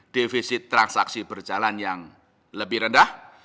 defisit transaksi berjalan yang lebih rendah